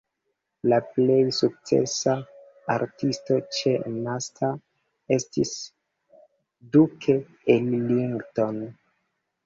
La plej sukcesa artisto ĉe Master estis Duke Ellington.